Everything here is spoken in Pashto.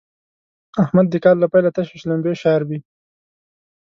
احمد د کال له پيله تشې شلومبې شاربي.